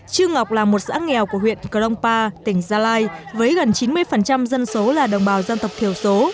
trương ngọc là một xã nghèo của huyện krongpa tỉnh gia lai với gần chín mươi dân số là đồng bào dân tộc thiểu số